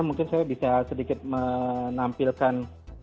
mungkin saya bisa sedikit menampilkan